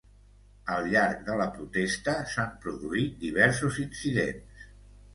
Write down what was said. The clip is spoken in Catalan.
Al llarg de la protesta s’han produït diversos incidents.